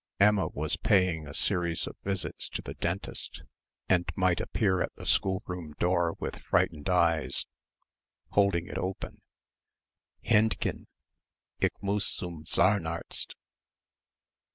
Emma was paying a series of visits to the dentist and might appear at the schoolroom door with frightened eyes, holding it open "Hendchen! Ich muss zum Zahnarzt."